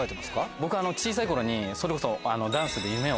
僕小さい頃にそれこそ。